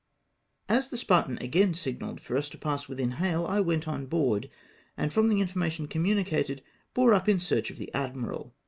As the Spartan again signalled for us to pass within hail, I went on board, and from the information com municated, bore up in search of the admiral.